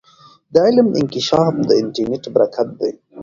د علم انکشاف د انټرنیټ برکت دی.